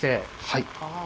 はい。